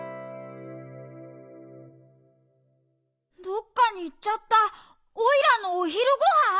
どっかにいっちゃったオイラのおひるごはん！？